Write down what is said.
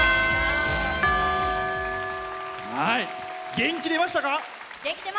元気、出ました！